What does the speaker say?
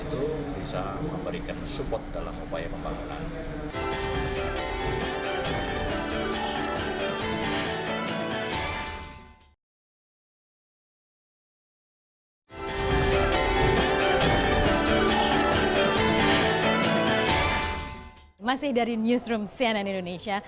termasuk melalui laman cnn indonesia